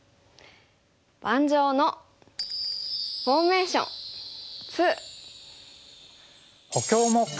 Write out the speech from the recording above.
「盤上のフォーメーション２」。